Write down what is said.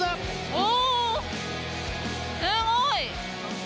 おすごい！